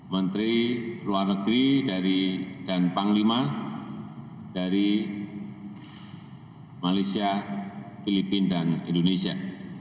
menteri luar negeri dan panglima dari malaysia filipina dan indonesia